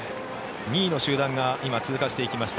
２位の集団が今、通過していきました。